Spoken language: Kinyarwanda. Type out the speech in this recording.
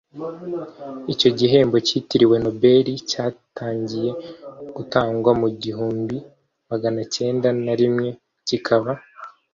icyo gihembo kitiriwe nobeli cyatangiye gutangwa mu igihumbi magana cyenda na rimwe kikaba